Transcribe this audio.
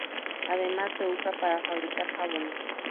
Además se usa para fabricar jabones.